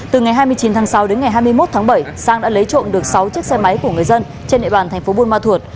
từ ngày hai mươi chín tháng sáu đến ngày hai mươi một tháng bảy sang đã lấy trộm được sáu chiếc xe máy của người dân trên địa bàn thành phố buôn ma thuột